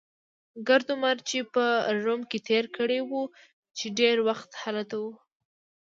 ګرد عمر يې په روم کې تېر کړی وو، چې ډېر وخت هلته و.